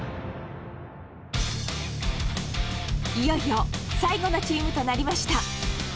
いよいよ最後のチームとなりました。